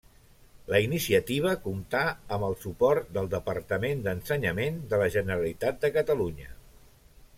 La iniciativa comptà amb el suport del Departament d'Ensenyament de la Generalitat de Catalunya.